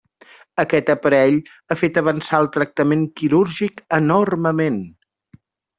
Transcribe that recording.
Aquest aparell ha fet avançar el tractament quirúrgic enormement.